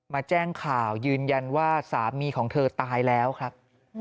มาแจ้งข่าวยืนยันว่าสามีของเธอตายแล้วครับ